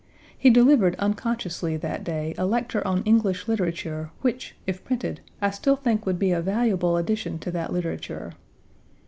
He delivered unconsciously that day a lecture on English literature which, if printed, I still think would be a valuable addition to that literature.